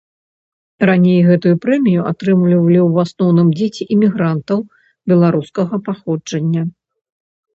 Раней гэтую прэмію атрымлівалі ў асноўным дзеці эмігрантаў беларускага паходжання.